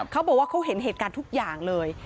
เขาบอกว่าเขาเห็นเหตุการณ์ทุกอย่างเลย